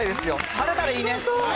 晴れたらいいね。